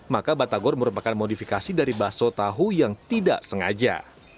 maka batagor merupakan modifikasi dari bakso tahu yang tidak sengaja